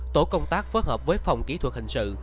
tổ công tác phối hợp với phòng kỹ thuật hình sự